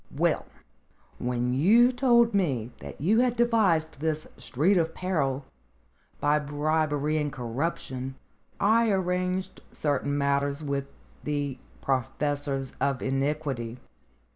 "Well, when you told me that you had devised this 334 STORIES WITHOUT TEARS Street of Peril, by bribery and corruption I arranged certain matters with the professors of iniquity.